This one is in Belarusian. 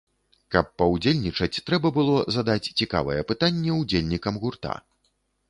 Каб паўдзельнічаць, трэба было задаць цікавае пытанне удзельнікам гурта.